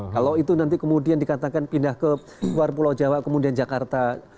kalau itu nanti kemudian dikatakan pindah ke luar pulau jawa kemudian jakarta